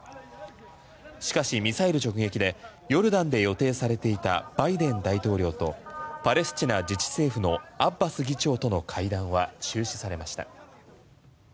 しかし、ミサイル直撃でヨルダンで予定されていたバイデン大統領とパレスチナ自治政府のアッバス議長との会談は中止されました。